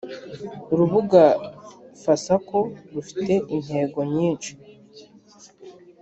urubuga fasaco rufite intego nyinshi